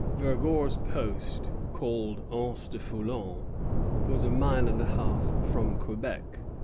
Vergor's post, called Anse du Foulon, was a mile and a half from Quebec.